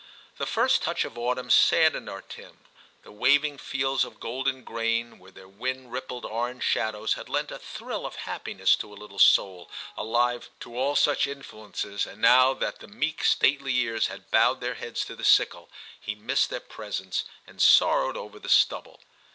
The first touch of autumn saddened our Tim ; the waving fields of golden grain, with their wind rippled orange shadows, had lent a thrill of happiness to a little soul alive to all such influences, and now that the meek, stately ears had bowed their heads to the sickle, he missed their presence, and sorrowed over the stubble.